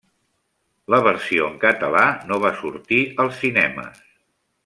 La versió en català no va sortir als cinemes.